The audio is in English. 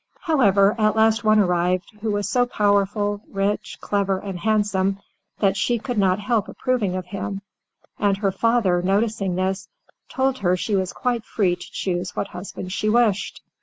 However, at last one arrived, who was so powerful, rich, clever and handsome, that she could not help approving of him, and her father, noticing this, told her she was quite free to choose what husband she wished.